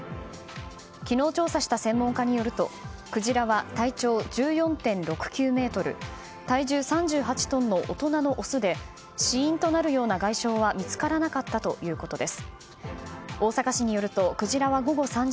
昨日調査した専門家によるとクジラは体長１４．６９ｍ体重３８トンの大人のオスで死因となるような外傷は見つからなかったということです。